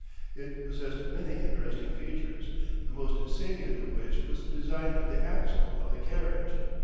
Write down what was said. It possessed many interesting features, the most salient of which was the design of the axle of the carriage.